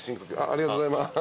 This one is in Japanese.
ありがとうございます。